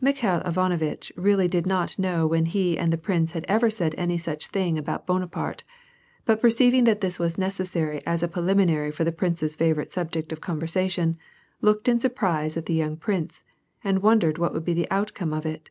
Mikhail Ivanovitch really did not know when he and the prince had ever said any such things about Bonaparte, but perceiving that this was necessary as a preliminary for the I)rince's favorite subject of conversation, looked in surprise at the young prince, and wondered what would be the outcome of it.